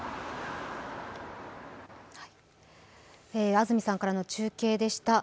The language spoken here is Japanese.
安住さんからの中継でした。